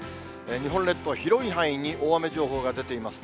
日本列島、広い範囲に大雨情報が出ています。